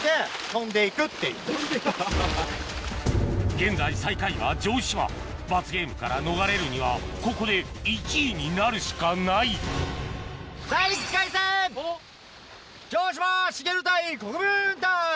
現在最下位は城島罰ゲームから逃れるにはここで１位になるしかない第１回戦城島茂対国分太一。